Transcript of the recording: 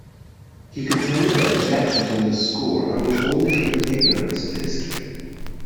He contended that objections on this score arose only from an ignorance of history.